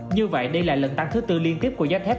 như vậy đây là lần tăng thứ tư liên tiếp của giá thép